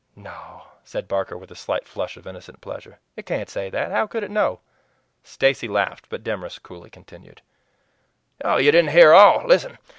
"No," said Barker, with a slight flush of innocent pleasure, "it can't say that. How could it know?" Stacy laughed, but Demorest coolly continued: "You didn't hear all. Listen!